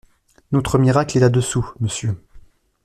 Notre miracle est là-dessous, monsieur!